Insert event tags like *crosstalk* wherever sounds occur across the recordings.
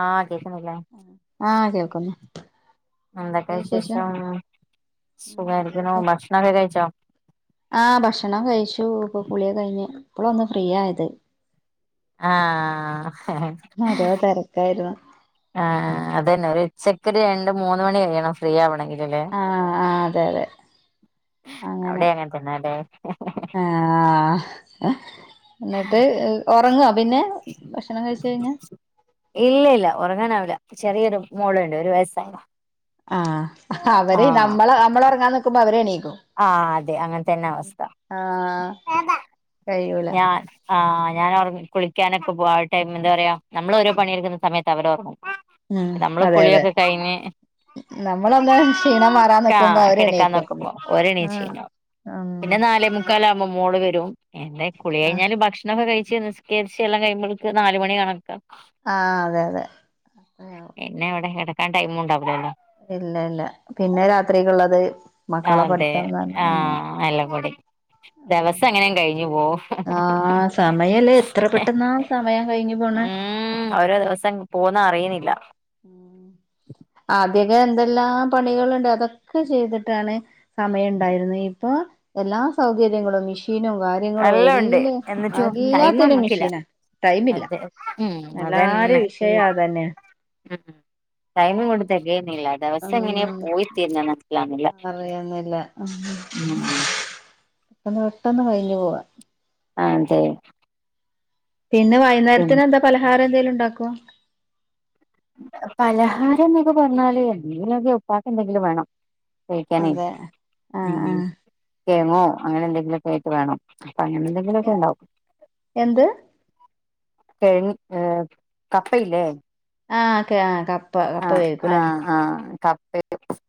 ആ, കേൾക്കുന്നില്ലേ ആഹ് കേൾക്കുന്നു എന്തൊക്കെയ വിശേഷം ഉം നല്ല സുഖമായിരിക്കുണു ഭക്ഷണ ഒക്കെ കഴിച്ചോ? ആ ഭക്ഷണം കഴിച്ചു ഇപ്പൊ കുളിയും കഴിഞ്ഞ് ഇപ്പളാ ഒന്ന് ഫ്രീ ആയത്. ആഹ് ഓരോ തിരക്കായിരുന്നു ആ അതന്നെ ഒരു ഉച്ചക്ക് ഒരു രണ്ട് മൂന്ന് മണി കഴിയണം ഫ്രീ ആവണെങ്കിൽ ലേ ആഹ് ആഹ് അതെ അതെ അവിടെ അങ്ങനെ തന്നല്ലേ. ആഹ് ന്നിട്ട് ഉറങ്ങോ? പിന്നെ ഭക്ഷണം കഴിച്ച് കഴിഞ്ഞാ? ഇല്ല ഇല്ല ഉറങ്ങാനാവില്ല ചെറിയൊരു മോളുണ്ട് ഒരു വയസായത ആഹ അവര് നമ്മള നമ്മള് ഒറങ്ങാൻ നിക്കുമ്പോ അവരെ എണീക്കും ആഹ് അതെ അങ്ങനെ തന്നെ അവസ്ഥ ആഹ് കഴിയൂല ഞാൻ ആഹ് ഞാൻ കുളിക്കാനൊക്കെ പോവും ആ ടൈം എന്താ പറയാ നമ്മൾ ഓരോ പണിയെടുക്കുന്ന സമയത്ത് അവരോറങ്ങും ഉം നമ്മള് അതെ അതെ കുളിയൊക്കെ കഴിഞ്ഞ് നമ്മളൊന്ന് ക്ഷീണം മാറാൻ നിക്കുമ്പോ ആഹ് അവര് കിടക്കാ എണീക്കും നോക്കുമ്പോ ഓരെണീച്ചീ ആഹ് ണ്ടാവും ഉം പിന്നെ നാലേ മുുക്കാലാവുമ്പോ മോള് വരും എന്താ കുളി ആഹ് കഴിഞ്ഞാല് ഭക്ഷണൊക്കെ കഴിച്ച് നിസ് കരിച്ചെല്ലാം കഴിയുമ്പോള്ക്ക് നാല് മണി കണക്കാ ആഹ് അതെ അതെ പിന്നെവിടെ കിടക്കാൻ ടൈം ഉണ്ടാവൂലല്ലോ ഇല്ല ഇല്ല പിന്നെ രാത്രിക്കുള്ളത് മക്കളെ അതെ പഠിത്തംന്ന് പറഞ്ഞ് അങ്ങനെ ആഹ് എല്ലാംകൂടി ദിവസം അങ്ങനെയും കഴിഞ്ഞു പോവും ആഹ് സമയല്ലേ എത്ര പെട്ടെന്നാ സമയം കഴിഞ്ഞ് പോണെ ഉം ഓരോ ദിവസം പോകുന്നത് അറീണില്ല ആദ്യക്കെ എന്തെല്ലാം പണികളുണ്ട് അതൊക്കെ ചെയ്തിട്ടാണ് സമയം ഉണ്ടായിരുന്നു ഇപ്പൊ എല്ലാ സൗകര്യങ്ങളും മെഷീനും കാര്യങ്ങളും എല്ലാം കാര്യങ്ങളോ ഉണ്ട് എല്ലാ എന്നിട്ടും ടൈം എല്ലാത്തിനും നമ്മക്കില്ല മിഷീന ടൈമില്ല അതെ ഉം എല്ലാരിം അതന്നെ വിഷയം അതെന്നെ ഉം ടൈമിങ്ങ്ട്ട് തെകേണില്ല ദിവസങ്ങനെ ഉം പോയി തീരണ്ന്ന് മനസിലാവിണില്ല വന്ന് പെട്ടെന്ന് കഴിഞ്ഞു പോവാ ആഹ് അതെ പിന്നെ വൈന്നേരത്തിന് എന്താ പലഹാരം എന്തേലും ഉണ്ടാകോ പലഹാരം എന്നൊക്കെ പറഞ്ഞാല് എന്തെിലുമൊക്കെ ഉപ്പാക്ക് എന്തെങ്കിലും വേണം കയ്ക്കാനെ അതെ ആഹ് ഉം ആഹ് കേങ്ങോ അങ്ങനെ എന്തെങ്കിലുക്കായ്ട്ട് വേണം അപ്പൊ അങ്ങനെ എന്തെങ്കിലും എ ഒക്കെ ണ്ടാവും എന്ത് കേങ്ങ് ഏ കപ്പയില്ലേ? ആഹ് *unintelligible* ആഹ് വേവിക്കൂലേ ആഹ് ആഹ് കപ്പ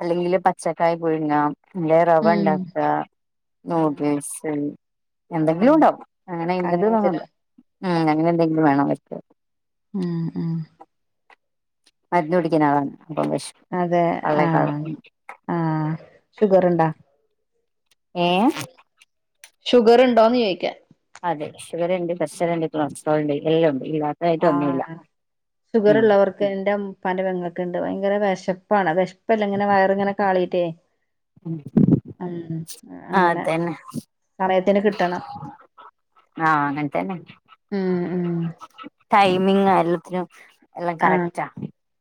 അല്ലെങ്കില് പച്ചക്കായ പുഴുങ്ങാ അല്ലേയ് ഉം റവണ്ടാകാ ആഹ് നൂഡിൽസ് ആഹ് എന്തെങ്കിലുണ്ടാവും അങ്ങനെ ഇന്നത് ന്നില്ല ആഹ് അങ്ങനെന്തെങ്കിലും വേണവർക്ക് ഉം ഉം മരുന്ന്ടിക്കുന്ന ആളാണ് അപ്പം വിഷപ്പ് അതെ ആഹ് ആഹ് ഷുഗർണ്ടോ? ഏ ഷുഗർ ഉണ്ടോന്ന് ചോയ്ക്കാ അതെ ഷുഗറ്ണ്ട് പ്രഷറ്ണ്ട് കൊളസ്ട്രോളുണ്ട് എല്ലാം ഉണ്ട് ഈ ആഹ് ഷുഗറുള്ളവർക്ക് എന്റെപ്പാന്റെ പെങ്ങക്ക്ണ്ട് ഭയങ്കര വിശപ്പാണ്. വിശപ്പല്ല ഇങ്ങനെ വയറിങ്ങനെ കാളീട്ടേ ഉം ആഹ് അങ്ങനെ അതന്നെ സമയത്തിന് കിട്ടണം ആഹ് ഉം ഉം ടൈമിങ എല്ലത്തിനും എല്ലാം ആഹ് കറക്റ്റാ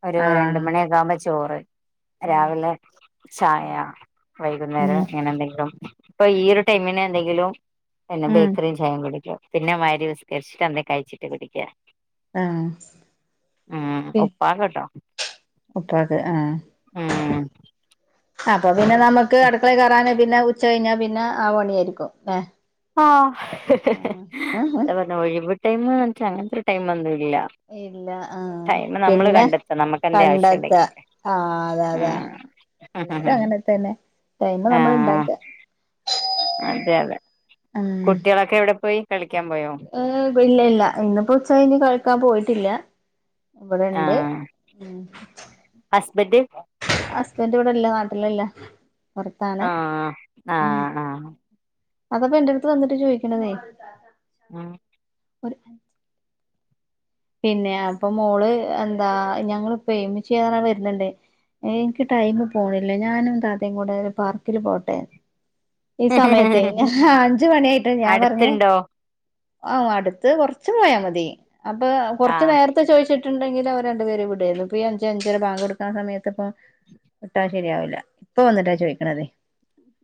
ഒരു രണ്ട ആഹ് മണിയക്കാകുമ്പോ ചോറ് ഉം രാവിലെ ചായ ഉം വൈകുന്നേരം ഇങ്ങനെ എന്തെങ്കിലും ഇപ്പൊ ഈ ഉം ഒരു ടൈമിന് എന്തെങ്കിലും പിന്നെ ഉം ബേക്കറിം ചായിം കുടിക്ക പിന്നെ *unintelligible* നിസ്കരിച്ചിട്ട് എന്തെ കഴിച്ചിട്ട് കുടിക്കുക ആഹ് ഉം പി ഉപ്പാകെട്ടോ ഉപ്പാക്ക് ആഹ് ഉം അപ്പൊ പിന്നെ നമ്മക്ക് അടുക്കളെ കേറാനോ പിന്ന ഉച്ച കഴിഞ്ഞാ പിന്ന ആ പണിയായിരിക്കും ഏഹ് ആ അതാ പറഞ്ഞ ഒഴിവ് ടൈമ് എന്ന് വെച്ച അങ്ങനൊത്തൊ ടൈമൊന്നുല്ല ഇല്ല ആ പിന്നെ നമുക്ക് എന്തേ ആവശ്യം പണ്ടെത്ത ഉണ്ടെങ്കിൽ ആഹ് അതെ അതെ ഉം എല്ലാരും അങ്ങനെ തന്നെ ടൈമ് നമ്മള് ആഹ് ഇണ്ടാക്ക അതെ അതെ ഉം കുട്ടികളൊക്കെ എവിടെ പോയി കളിക്കാൻ പോയോ അ് ഇല്ല ഇല്ല ഇന്നിപ്പോ ഉച്ചകഴിഞ്ഞ് കളിക്കാൻ പോയിട്ടില്ല ഇവിടെണ്ട് ആഹ് ഉം ഹസ്ബെൻറ്റ് ഹസ്ബൻറ്റ് ഇവിടല്ല നാട്ടിലല്ല പൊറത്താണ് ആഹ് ഉം ആഹ് ആഹ് അതിപ്പോ എൻ്റെടുത്ത് വന്നിട്ട് ചോയിക്കണതേ ഉം ഒരു പിന്നെ അപ്പം മോള് എന്താ ഞങ്ങള് ഉപ്പേം മിച്ചിയ്യും വെരുന്നുണ്ട് എനിക്ക് ടൈംമ് പോണില്ല ഞാനും താത്തയും കൂടെ പാർക്കില് പോട്ടെ ഈ സമയത്തെ ആഹ് ഞാൻ അഞ്ച് മണിയായിട്ടും ഞാൻ പറഞ്ഞ് അടുത്തുണ്ടോ ആ അടുത്ത് കൊർച്ച് പോയാ മതി അപ്പൊ കൊർച്ച് ആഹ് നേരത്തെ ചോയിച്ചി ട്ട്ണ്ടെങ്കിൽ അവര് രണ്ടു പേരെയും വിടമായിരുന്നു ഇപ്പൊഈ അഞ്ച് അഞ്ചേര ബാങ്ക് കൊടുക്കൻ സമയത്ത് പ്പം വിട്ടാ ശരിയാവില്ല ഇപ്പം വന്നിട്ടാ ചോദിക്കണേത്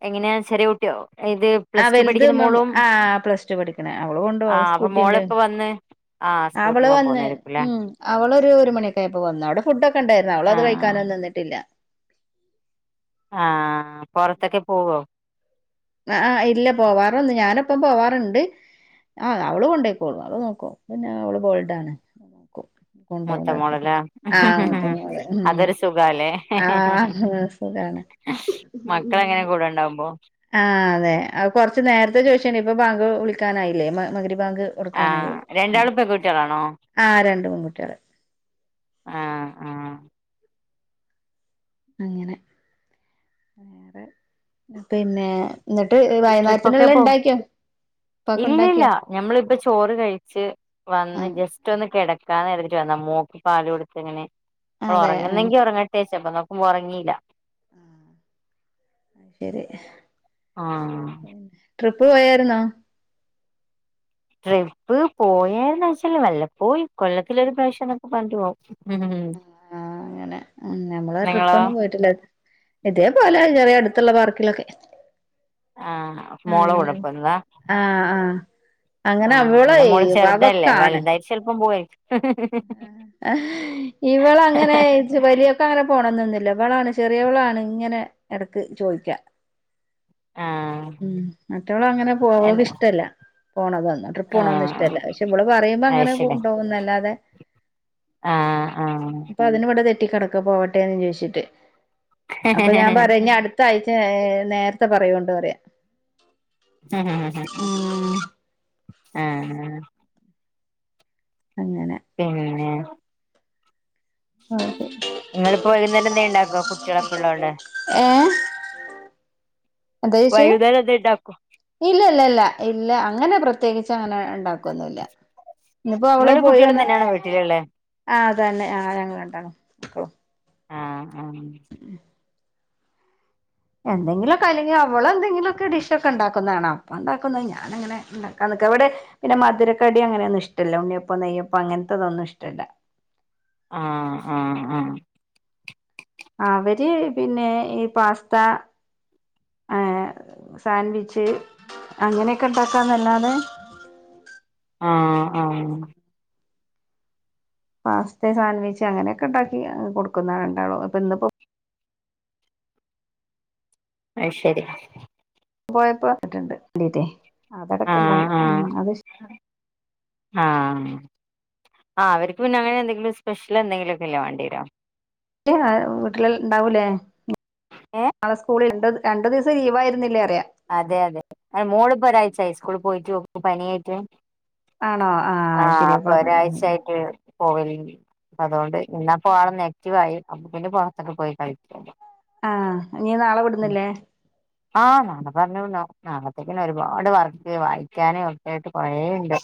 എങ്ങനെയാ ചെറിയ കുട്ടിയോ ഇത് ആഹ് പ്ലസ് ടു വലുത് പഠിക്കുന്ന മം മോളും ആ പ്ലസ് ടു പഠിക്കണ അവള് കൊണ്ടോവും ആഹ് അപ്പൊ സ്‌ക്യൂട്ടി ഉണ്ട് മോളിപ്പ വന്ന് ആഹ് അവള് സ്കൂട്ടിമ്മ വന്ന് പോന്നായിരിക്കുംല്ലേ ഉം അവളൊരു ഒരുമണിക്ക ആയപ്പോ വന്നു അവിടെ ഫുഡ്ഡക്കെ ഒണ്ടാരുന്നു അവളത് ആഹ് കഴിക്കാനൊന്നും നിന്നിട്ടില്ല ആഹ് പുറത്തൊക്കെ പോവോ അ ആഹ് ഇല്ല പോവാറൊന്ന് ഞാനൊപ്പം പോവാറുണ്ട് ആഹ് അവള് കൊണ്ടേയ്ക്കോളും അവള് നോക്കും പിന്നെ അവള് ബോൾഡാണ് അവള് നോക്കും കൊണ്ടോവും ഇതാക്കും മൂത്തമോളല്ലെ ആ മൂത്ത മോള് ഉം അതൊരു സുഖല്ലേ ആ സുഖാണ് മക്കള് അങ്ങനെ കൂടെ ഇണ്ടാവുമ്പോ ആഹ് അതെ അത് കുറച്ച് നേരത്തെ ചോദിച്ചേനെ ഇപ്പൊ ബാങ്ക് വിളിക്കാനായില്ലേ മഗരി ബാങ്ക് ആ കൊടുക്കാനായി ആ രണ്ടാളും പെൺകുട്ടികളാണോ ആ രണ്ട് പെൺകുട്ടിയള് ആഹ് ആഹ് അങ്ങനെ വേറെ പിന്നെ എന്നിട്ട് ട്രിപ്പൊക്കെ വൈകുന്നേരത്തിനെള്ള പോ ഉണ്ടാക്കിയോ ഇല്ലില്ല ഞമ്മളിപ്പം ചോറ് കഴിച്ച് ആ വന്ന് ജസ്റ്റ് എന്നിട്ട് ഒന്ന് കെടക്കാന്ന് കരുതീട്ട് വന്നതാ മോക്ക് പാല് കൊടുത്തങ്ങനെ ആ, അതെ ആ ഒറങ്ങുന്നെങ്കി ഓറങ്ങട്ടേ വെച്ചപ്പം വൊറങ്ങീല്ല ആ അത് ശെരി പിന്ന ട്രിപ്പ് പോയാര്ന്നോ ട്രിപ്പ് പോയേന്ന് വെച്ചാല് വല്ലപ്പോഴും കൊല്ലത്തിലൊരു പ്രാവിശം നൊക്കെ പറഞ്ഞിട്ട് പോകും ഉം ആഹ് അങ്ങനെ നമ്മള് ട്രിപ്പ് നിങ്ങളോ ഒന്നും പോയിട്ടില്ല ഇതേപോലെ ചെറിയ അടുത്തുള്ള പാർക്കിലൊക്കെ ആ മോള കുട പോവുന്ന ആ ആഹ് അങ്ങനെ അവളെ എന്റെ മോള് ചെറുതല്ലേ വവക്കാണ് വലുതായിട്ട് ചെലപ്പം പോവേ ഹ് ഇവളങ്ങനെ എട് പക്ഷെ വലിയൊക്ക് അങ്ങനെ പോണന്നൊന്നുമില്ല ഇവളാണ് ചെറിയ വളാണ് ഇങ്ങനെ എടക്ക് ചോദിക്കാ ആഹ് ഉം മറ്റവള് അങ്ങനെ പോവണത് എന്റെ ഇഷ്ടമില്ല പോണത് ട്രിപ്പ് പോണതൊന്നും ആഹ് ഇഷ്ടമില്ല പക്ഷെ ഇവള് പറയുമ്പോ അങ്ങനെ അയ്ശരി കൊണ്ടോകുന്നല്ലാതെ ആഹ് ആഹ് അപ്പ അതിന്‌വടെ തെറ്റിക്കടക്കാ പോവട്ടേന്നും ചോയിച്ചിട്ട് അപ്പ ഞാൻ ആഹ് പറയ ഇനിയ ട്ത ത്താഴ്ച്ച ഏഹ് നേരത്തെ പറയോണ്ടു പറയാ അഹാഹാഹാഹാ ഉം ആഹാ അങ്ങനെ പിന്നെ അതെ ഇങ്ങളിപ്പോ വൈകുന്നേരെന്തേ ഇണ്ടാക്കോ കുട്ടികളൊക്കെ ഉള്ളത് കൊണ്ട് ഏങേ എന്താ വൈകുന്നേരം എന്തേ ഉണ്ടാക്കോ ചോയ്ച്ച്ഇല്ലല്ല ഇല്ല അങ്ങനെ പ്രത്യേകിച്ച്ങ്ങനെ ഇല്ല ണ്ടാക്കൊന്നുല്ല ഇന്നിപ്പോ അവള് നിങ്ങള് പോയി കുട്ടികളും വന്നപ്പ തന്നെയാണോ വീട്ടിലുള്ളേ ആഹ് അതന്നെ ആഹ് ഞങ്ങൾ രണ്ടാളും മക്കളും ആഹ് ആഹ് ഇം എന്തെങ്കിലൊക്കെ അല്ലെങ്കി അവളെന്തെങ്കിലൊക്കെ ഡിഷൊക്കെ ഇണ്ടാക്കുന്നാണാ അപ്പ ഇണ്ടാക്കുന്നത് ഞാനങ്ങനെ ഇണ്ടാക്കാൻ നിക്കാ ഇവടെ പിന്നെ മധുരക്കടി അങ്ങനെയൊന്നിഷ്ടല്ല ഉണ്ണിയപ്പം നെയ്യപ്പം അങ്ങൻത്തതൊന്നും ഇഷ്ടല്ല ആഹ് ആഹ് ആഹ് അവര് പിന്നെ ഈ പാസ്താ അ ഹ് സാൻഡ്‌വിച്ച് അങ്ങനെയൊക്കെ ഇണ്ടാക്കാനല്ലാതെ ആഹ് ആഹ് പാസ്തേം സാൻഡ്‌വിച്ച് അങ്ങനെയൊക്ക ഇണ്ടാക്കി അ് കൊടുക്കുന്ന രണ്ടാളും അപ്പൊ ഇന്നിപ്പോ അയ് ശരി പോയപ്പോ വന്നിട്ട്ണ്ട് *unintelligible* അതെടക്ക്ണ്ടാവ ആഹ് ഉം ആഹ് അത് ശ് ആഹ് ആഹ് അവര്ക്ക് പിന്നെ അങ്ങനെ എന്തെങ്കിലും സ്പെഷ്യലെന്തെങ്കിലൊക്കല്ലേ വാണ്ടിയരാ *unintelligible* വീട്ടില് ഇണ്ടാവൂലേ ഏഹ് നാളെ സ്കൂളിൽ ഇണ്ടോത് രണ്ട് ദിവസം ലീവായിരുന്നില്ലേ അറയാ അതെയതെ അയ് മോളിപ്പൊരാഴ്ച്ചായി സ്കൂള് പോയിട്ട് ഓക്ക് പനിയായിട്ട് ആണോ ആ ആഹ് ശരിയാ അപ്പൊ പറഞ്ഞ ഒരാഴ്ചായിട്ട് പോവലിണ്ട് അതോണ്ട് ഇന്നാപ്പൊ ഓളൊന്നാക്ടീവായി അപ്പൊ പിന്നെ പുറത്തൊക്കെ പോയി കളിക്കാൻ ആഹ് ഇനി നാളെ വിടുന്നില്ലേ ആഹ് നാളെ പർഞ്ഞു നൊ നാളത്തേക്ക്ല്ലെ ഒരുപാട് വർക്ക് വായിക്കാന് ഒക്കേയിട്ട് കൊറേണ്ട്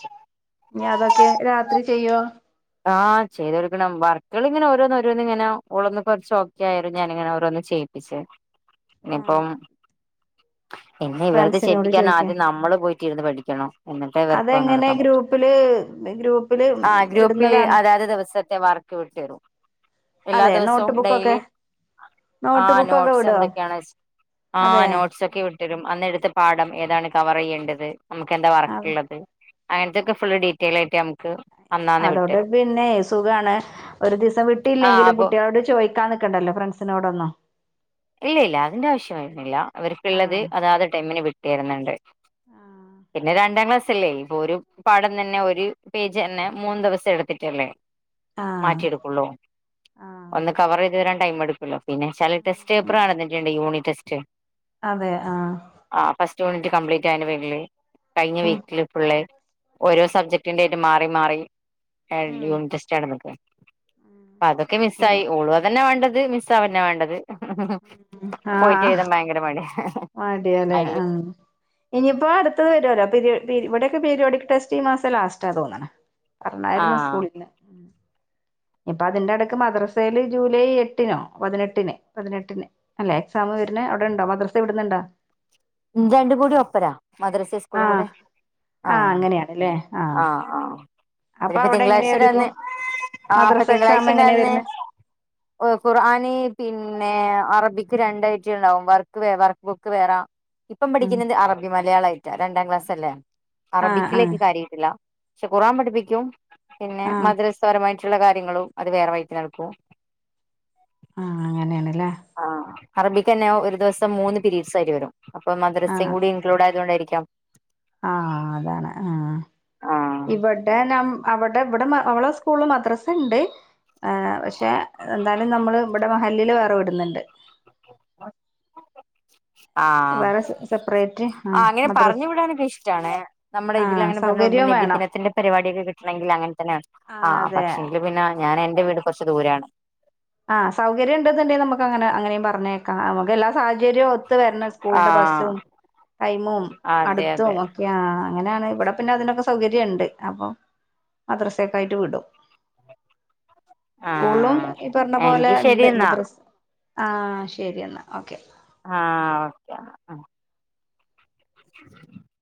ഇനി അതൊക്കെ രാത്രി ചെയ്യോ ആഹ് ചെയ്തൊരുക്കണം വർക്കളിങ്ങനെ ഓരോന്നോരോന്നിങ്ങനെ ഓളൊന്ന് കൊറച്ചോക്കെ ആയാലും ഞാനിങ്ങനെ ഓരോന്ന് ചെയ്യ് യ്യിച്ചേ ആ ഇനിപ്പം പിന്നെ ഇവരത് ഫ്രണ്ട്സിനോട് ചെയ്യിപ്പിക്കാ അറഞ്ഞാ ചോദിക്ക ആദ്യം നമ്മള് പോയിട്ടിര്ന്ന് പഠിക്കണം എന്നിട്ടേ ഇവർക്ക് വന്ന് അതെങ്ങനേ കൊടുക്കാൻ പറ്റു ഗ്രൂപ്പില് വെ ഗ്രൂപ്പില് ഇട് പ്പില് അതാത് ദിവസത്തെ വർക്ക് വിട്ട് തരും എല്ലാ അതെ ദിവസവും നോട്ട് ഡെയിലി ബുക്കൊക്കെ നോട്ട് ആഹ് ബുക്കൊക്കെ വിടോ നോട്ട്സെന്തൊക്കെയാണ് അതെ ആഹ് നോട്ട്സൊക്കെ വിട്ട് ട്ടരും അന്നെടുത്ത പാഠം ഏതാണ് കവറെയ്യേണ്ടത് നമ്മുക്കെന്താ അതെ വർക്കിള്ളത് അങ്ങൻത്തെക്കെ ഫുള്ള് ഡീറ്റെയിലായിട്ട് നമുക്ക് അന്നാന്നെ വി പിന്നേ സുഖാണ് ഒരു ദീസം ആ വിട്ടീല്ലെങ്കിലും അപ്പൊ കുട്ടികളോട് ചോയിക്കാൻ നിക്കണ്ടല്ലോ ഫ്രണ്ട്സിനോടൊന്നും ഇല്ല ഇല്ല അതിന്റെ ആവശ്യം വര്ണില്ല ആ ഇവര്ക്ക്ള്ളത് അതാത് ടൈമിന് വിട്ട് തരുന്നുണ്ട് ആഹ് പിന്നെ രണ്ടാം ക്ലാസ്സല്ലേ ഇപ്പോര് പാഠം തന്നെ ഒരു പേജ് അന്നെ മൂന്ന് ദിവസം എടുത്തിട്ടല്ലേ ആഹ് മാറ്റിയെടുക്കുള്ളൂ ആഹ് ഒന്ന് കവറെയ്ത് വരാൻ ടൈമെടുക്കുല്ലോ പിന്നെച്ചാല് ടെസ്റ്റ് ഉം ഉം പേപ്പറാണ് എന്നിട്ടിൻ്റെ യൂണിറ്റ് ടെസ്റ്റ് അതെ ആഹ് ആഹ് ഫസ്റ്റ് യൂണിറ്റ് കംപ്ലീറ്റായേൻ്റ പേരില് കഴിഞ്ഞ ഉം വീക്കില് ഫുള്ളേ ഓരോ സബ്ജക്ടിൻ്റേയിട്ട് മാറി മാറി ഏ ഉം യൂണിറ്റ് ടെസ്റ്റ് നടന്ന്ക്ക ഉം പതൊക്കെ ശരി മിസ്സായി ഓളു അതന്നെ വേണ്ടത് മിസ്സാവന്നെ വേണ്ടത് പോയിട്ട് ആഹ് എഴുതാൻ ഭയങ്കര മടി ഹ ഹ. മടിയാല്ലേ ആഹ്. ഇനിയിപ്പോ അടുത്തത് വരോല്ലോ പിരി പിരി ഇവിടൊക്കെ പീരയോഡിക് ടെസ്റ്റ് ഈ മാസം ലാസ്റ്റാ തോന്നണ്. പറഞ്ഞായിരുന്നു ആഹ് സ്കൂളിന്ന്. ഇപ്പൊ അതിന്റെടക്ക് മദ്രസയില് ജൂലൈ എട്ടിനോ പതിനെട്ടിന് പതിനെട്ടിന് അല്ലെ എക്സാം വര്ന് അവിടെണ്ടോ മദ്രസെ വിടുന്നുണ്ടോ? രണ്ടും കൂടി ഒപ്പരാ മദ്രസ സ്കൂളും കൂടെ ആഹ് ആഹ്. ആഹ് അങ്ങനെയാണല്ലേ ആഹ്. ആഹ് ആഹ് അപ്പൊ അവിടെ എങ്ങനെയാ ഒരുക്കും മദ്രസ എക്സാം എങ്ങനെയാ വരുന്നെ *unintelligible* ഖുർആന് പിന്നെ അറബിക്ക് രണ്ടയിറ്റംണ്ടാവും വർക്ക് വർക്ക് ബുക്ക് വേറെ ഇപ്പം ആഹ് പഠിക്കുന്നത് അറബി മലയാളായിട്ടാ രണ്ടാം ക്ലാസ് അല്ലേ ആഹ് ആഹ് അറബിക്കിലേക്ക് കാര്യ ഇല്ല, പക്ഷെ ഖുറാൻ പഠിപ്പിക്കും പിന്നെ ആഹ് മദ്രസപരമായിട്ട് മറ്റുള്ള കാര്യങ്ങളും അത് വേറെ വഴിക്ക് നടക്കും. ആ അങ്ങനെയാണ്ല്ലേ. ആഹ്, അറബിക്ക് ന്നെ ഒരു ദിവസം മൂന്ന് പീരീഡ്സ് ആയിട്ട് വരും. അപ്പൊ മദ്രസിം ആഹ് കൂടി ഇൻക്ലൂഡ് ആയതുകൊണ്ടായിരിക്കാം. ആഹ് അതാണ് ആ. ആഹ് ഇവടെ നാം അവടെ ഇവടെ അവള സ്കൂള് മദ്രസണ്ട്. ആഹ്, പക്ഷെ എന്താലും നമ്മള് ഇവടെ മഹല്ലില് വേറെ വിടുന്നുണ്ട്. ആഹ്, വേറെ സെപ്പറേറ്റ് ആ ആഹ് അങ്ങനെ മദ്രസ് പറഞ്ഞു വിടാനൊക്കെ ഇഷ്ടാണ് നമ്മടെ ഇതിൽ ആഹ് അങ്ങനെ പറഞ്ഞു വിടുമ്പ സൗകര്യം വേണം നബിതിന ത്തിന്റെ പരിപാടിയൊക്കെ കിട്ടണെങ്കി അങ്ങനെ തന്നെയാണ്. ആ ആഹ് അതെ പക്ഷെങ്കിൽ പിന്നെ ഞാൻ എന്റെ വീട് കുറച്ച് ദൂരെയാണ്. ആഹ്, സൗകര്യം ഇണ്ട്ന്നുണ്ടങ്കി നമ്മക്ക് അങ്ങന അങ്ങനിം പറഞ്ഞയക്കാം അമ്മക്കെല്ലാ സാഹചര്യം ഒത്ത് വരണം സ്കൂൾന്റെ ആഹ് ബസ്സും ടൈമും അതെ അതെ അടുത്തും ഒ ആ അങ്ങനെയാണ് ഇവിടെ പിന്നെ അതിനൊക്കെ സൗകര്യണ്ട് അപ്പൊ മദ്രസെക്കായിട്ട് വിടും. സ്കൂളും ആഹ് ഈ പറഞ്ഞ എങ്കി ശരി പോലെണ്ട് എന്നാ മദ്രസ് ആഹ് ശരി എന്നാ ഓക്കെ. ആഹ് ആഹ് ഓക്കെ ആ ആ. *inaudible*